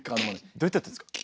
どうやってやってるんですか？